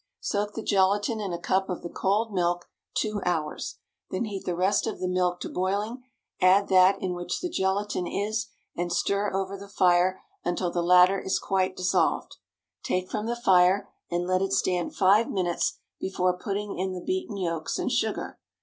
Soak the gelatine in a cup of the cold milk two hours. Then heat the rest of the milk to boiling, add that in which the gelatine is, and stir over the fire until the latter is quite dissolved. Take from the fire, and let it stand five minutes before putting in the beaten yolks and sugar.